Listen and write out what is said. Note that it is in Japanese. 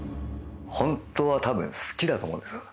本当は多分好きだと思うんですよ。